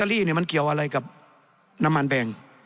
รอเตอรี่นี่มันเกี่ยวอะไรกับน้ำมันแปลง